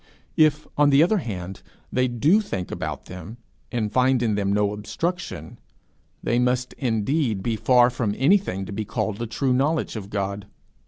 If, on the other hand, they do think about them, and find in them no obstruction, they must indeed be far from anything to be called a true knowledge of God.